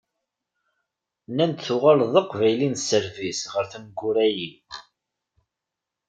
Nnan-d tuɣaleḍ d Aqbayli n sserbis ɣer tneggura-yi.